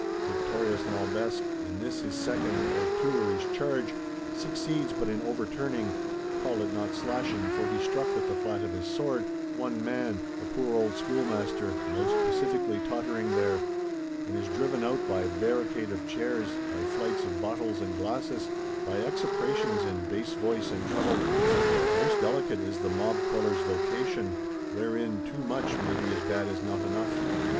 Victorious Lambesc, in this his second or Tuileries charge, succeeds but in overturning (call it not slashing, for he struck with the flat of his sword) one man, a poor old schoolmaster, most pacifically tottering there; and is driven out, by barricade of chairs, by flights of "bottles and glasses," by execrations in bass voice and treble. Most delicate is the mob queller's vocation; wherein Too much may be as bad as Not enough.